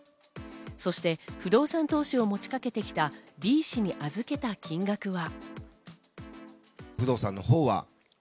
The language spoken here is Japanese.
そして、不動産投資を持ちかけてきたＢ氏に預けた金額は。